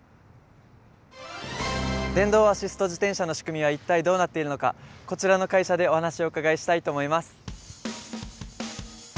電動アシスト自転車の仕組みは一体どうなっているのかこちらの会社でお話をお伺いしたいと思います。